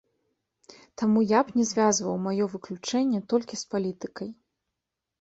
Таму я б не звязваў маё выключэнне толькі з палітыкай.